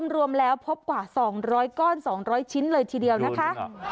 รวมแล้วพบกว่า๒๐๐ก้อน๒๐๐ชิ้นเลยทีเดียวนะคะ